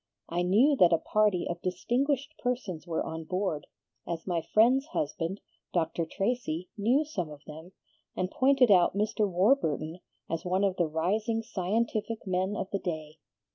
I knew that a party of distinguished persons were on board, as my friend's husband, Dr. Tracy, knew some of them, and pointed out Mr. Warburton as one of the rising scientific men of the day.